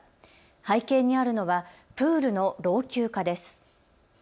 背景にあるのはプールの老朽化です。